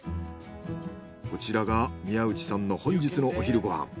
こちらが宮内さんの本日のお昼ご飯。